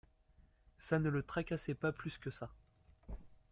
Ça ne le tracassait pas plus que ça.